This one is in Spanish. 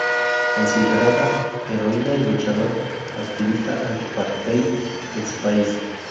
Considerada heroína y luchadora activista antiapartheid en su país.